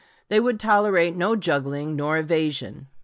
They would tolerate no juggling nor evasion.